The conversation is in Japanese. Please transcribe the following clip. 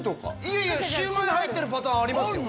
いやいやシュウマイ入ってるパターンありますよ